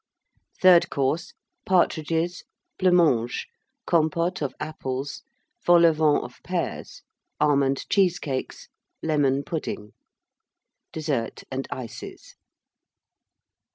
THIRD COURSE. Partridges. Blancmange. Compôte of Apples. Vol au Vent of Pears. Almond Cheesecakes. Lemon Pudding. DESSERT AND ICES.